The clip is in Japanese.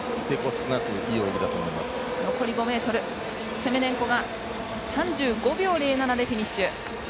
セメネンコが３５秒０７でフィニッシュ。